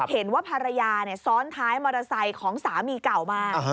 เห็นว่าภรรยาซ้อนท้ายมอเตอร์ไซค์ของสามีเก่ามา